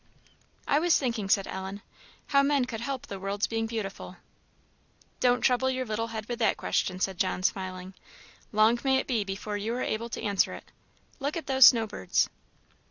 "I was thinking," said Ellen, "how men could help the world's being beautiful." "Don't trouble your little head with that question," said John, smiling "long may it be before you are able to answer it. Look at those snow birds!"